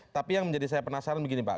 tapi yang menjadi saya penasaran begini pak